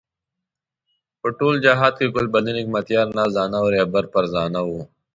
په ټول جهاد کې ګلبدین حکمتیار نازدانه او رهبر فرزانه وو.